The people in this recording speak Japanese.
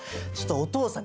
お父さん！